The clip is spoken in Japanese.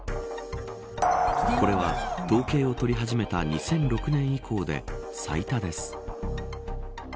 これは統計を取り始めた２００６年以降で最多です。